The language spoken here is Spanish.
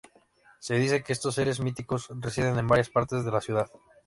Se dice que estos seres míticos residen en varias partes de la ciudad.